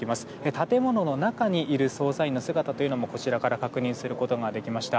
建物の中にいる捜査員の姿もこちらから確認することができました。